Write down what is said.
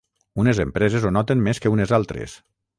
Unes empreses ho noten més que unes altres.